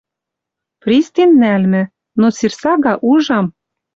Пристин нӓлмӹ. Но сир сага, ужам